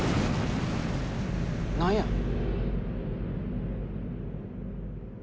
何や？